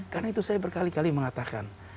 karena itu saya berkali kali mengatakan